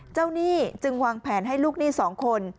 หนี้จึงวางแผนให้ลูกหนี้๒คน